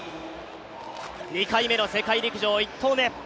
２回目の世界陸上、１投目。